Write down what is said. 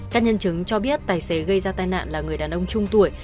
các nhân chứng cho biết tài xế gây ra tai nạn là người đàn ông trung tuổi